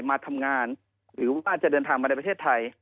มาทำงานหรือว่าจะเดินทางมาในประเทศไทย